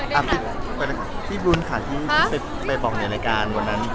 อ๋อสำเร็จสิ๊บู๊นค่ะที่ไปบอกในรายการวันนั้น